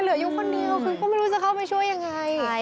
เหลืออยู่คนเดียวคือก็ไม่รู้จะเข้าไปช่วยยังไง